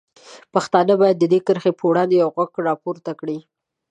پښتانه باید د دې کرښې په وړاندې یوغږ راپورته کړي.